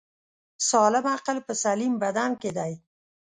سالم عقل په سلیم بدن کی دی